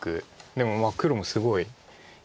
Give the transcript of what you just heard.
でも黒もすごい。